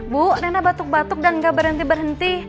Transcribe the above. bu rena batuk batuk dan gak berhenti berhenti